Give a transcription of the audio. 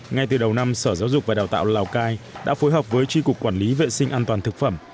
ngay từ đầu năm sở giáo dục và đào tạo lào cai đã phối hợp với tri cục quản lý vệ sinh an toàn thực phẩm